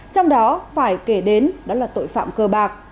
trong đó phải kể đến đó là tội phạm cơ bạc